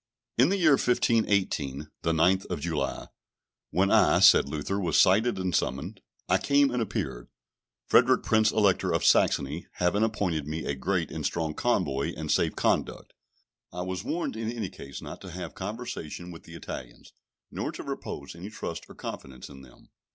In the year 1518, the 9th of July, when I, said Luther, was cited and summoned, I came and appeared: Frederick Prince Elector of Saxony having appointed me a great and strong convoy and safe conduct. I was warned in any case not to have conversation with the Italians, nor to repose any trust or confidence in them.